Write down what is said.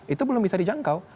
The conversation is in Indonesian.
itu belum bisa dijangkau